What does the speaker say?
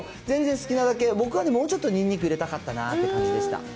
全然好きなだけ、僕はね、もうちょっと、ニンニク入れたかったなって感じでした。